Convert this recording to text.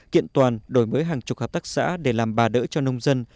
kiện toàn đổi mới hàng chục hợp tác xã để làm bà đỡ cho nông dân